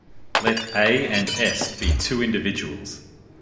Let "a" and "s" be two individuals.